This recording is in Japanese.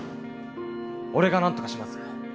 俺がなんとかします！